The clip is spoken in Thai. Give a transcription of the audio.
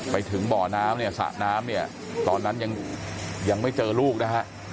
ไปถึงบ่อน้ำเนี่ยสระน้ำเนี่ยตอนนั้นยังไม่เจอลูกนะฮะ